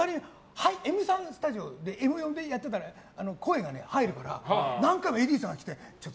Ｍ３スタジオでＭ４でやってたら、声が入るから何回もＡＤさんが言ってきて。